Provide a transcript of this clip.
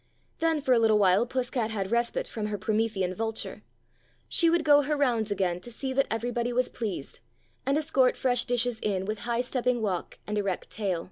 Then for a little while Puss cat had respite from her Promethean vulture ; she would go her rounds again to see that everybody was pleased, and escort fresh dishes in with high stepping walk and erect tail.